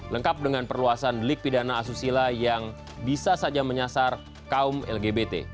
lengkap dengan perluasan delik pidana asusila yang bisa saja menyasar kaum lgbt